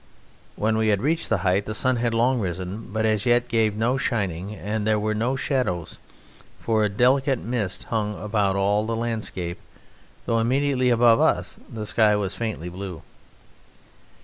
When we had reached the height the sun had long risen, but it as yet gave no shining and there were no shadows, for a delicate mist hung all about the landscape, though immediately above us the sky was faintly blue.